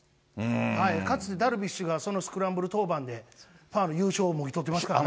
かつてダルビッシュがスクランブル登板でファウル、優勝をもぎ取ってますからね。